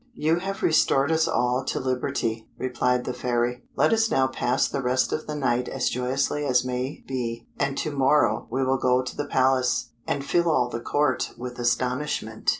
"You have restored us all to liberty," replied the Fairy; "let us now pass the rest of the night as joyously as may be, and to morrow we will go to the Palace, and fill all the Court with astonishment."